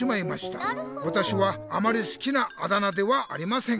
わたしはあまり好きなあだ名ではありません。